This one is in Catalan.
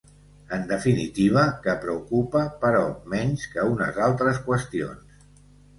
En definitiva, que preocupa, però menys que unes altres qüestions.